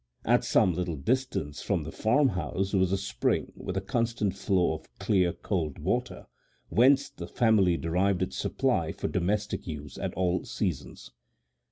At some little distance from the farmhouse was a spring with a constant flow of clear, cold water, whence the family derived its supply for domestic use at all seasons.